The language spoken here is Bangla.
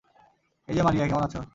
এইযে মারিয়া, কেমন আছো?